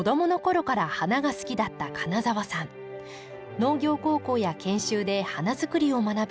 農業高校や研修で花づくりを学び